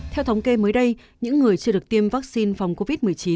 theo thống kê mới đây những người chưa được tiêm vaccine phòng covid một mươi chín